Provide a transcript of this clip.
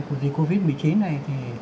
của dịch covid một mươi chín này